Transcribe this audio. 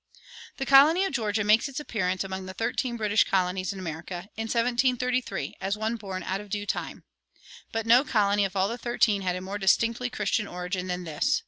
[122:1] The colony of Georgia makes its appearance among the thirteen British colonies in America, in 1733, as one born out of due time. But no colony of all the thirteen had a more distinctly Christian origin than this.